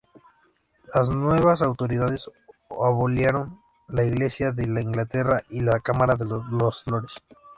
Las nuevas autoridades abolieron la Iglesia de Inglaterra y la Cámara de los Lores.